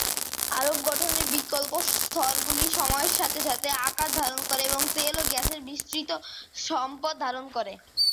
আরব গঠনের বিকল্প স্তরগুলি সময়ের সাথে সাথে আকার ধারণ করে এবং তেল এবং গ্যাসের বিস্তৃত সম্পদ ধারণ করে।